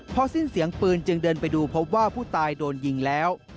พอสิ้นเสียงปืนจึงเดินไปดูพบว่าผู้ตายโดนยิงแล้ว